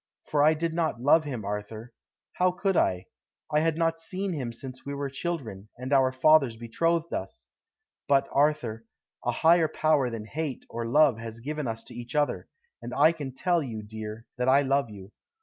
For I did not love him, Arthur. How could I? I had not seen him since we were children, and our fathers betrothed us. But, Arthur, a higher power than hate or love has given us to each other, and I can tell you, dear, that I love you.